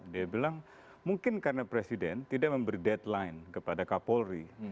dia bilang mungkin karena presiden tidak memberi deadline kepada kapolri